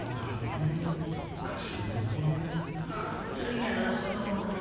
いやその。